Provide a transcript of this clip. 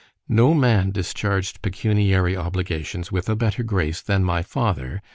No man discharged pecuniary obligations with a better grace than my father.